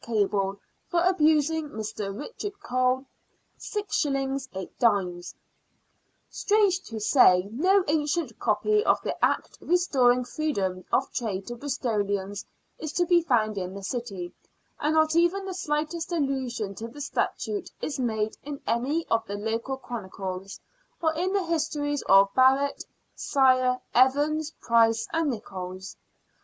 Cable, for abusing Mr. Richard Cole o 6 8 " Strange to say, no ancient copy of the Act restoring freedom of trade to Bristolians is to be found in the city, and not even the slightest allusion to the statute is made in any of the local chronicles, or in the histories of Barrett, Seyer, Evans, Pryce, and Nicholls.